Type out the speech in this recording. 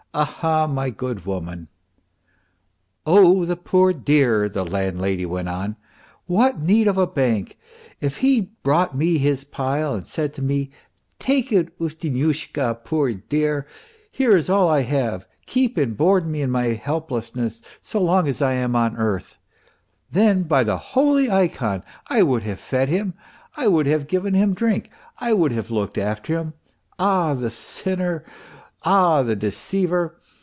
... Ah ah, my good woman !"" Oh, the poor dear," the landlady went on, " what need of a bank ! If he'd brought me his pile and said to me :' Take it, Ustinyushka, poor dear, here is all I have, keep and board me in my helplessness, so long as I am on earth,' the.n, by the holy ikon I would have fed him, I would have given him drink, I would have looked after him. Ah, the sinner ! ah, the deceiver